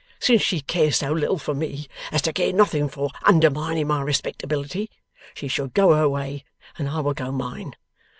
Since she cares so little for me as to care nothing for undermining my respectability, she shall go her way and I will go mine.